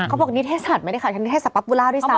เขาบอกนี่เทศศาสตร์ไม่ได้ขาดนี่เทศศาสตร์ปรับพูแล้วด้วยซ้ำ